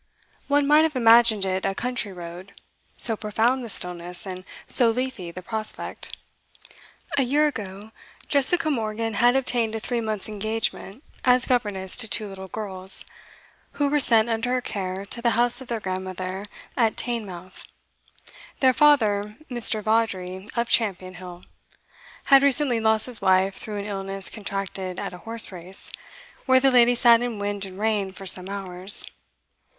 One might have imagined it a country road, so profound the stillness and so leafy the prospect. A year ago, Jessica Morgan had obtained a three months' engagement as governess to two little girls, who were sent under her care to the house of their grandmother at Teignmouth. Their father, Mr Vawdrey of Champion Hill, had recently lost his wife through an illness contracted at a horse race, where the lady sat in wind and rain for some hours.